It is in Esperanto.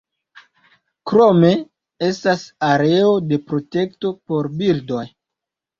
Krome estas areo de protekto por birdoj.